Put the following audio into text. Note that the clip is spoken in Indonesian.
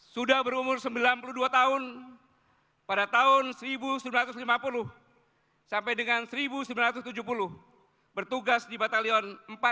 sudah berumur sembilan puluh dua tahun pada tahun seribu sembilan ratus lima puluh sampai dengan seribu sembilan ratus tujuh puluh bertugas di batalion empat ratus